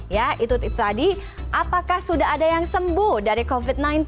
ya itu tadi apakah sudah ada yang sembuh dari covid sembilan belas